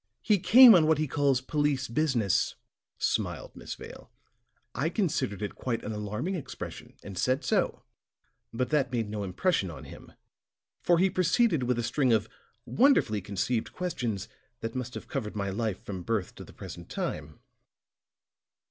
"He came on what he calls 'police business,'" smiled Miss Vale. "I considered it quite an alarming expression, and said so; but that made no impression on him, for he proceeded with a string of wonderfully conceived questions that must have covered my life from birth to the present time."